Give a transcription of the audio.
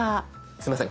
すいません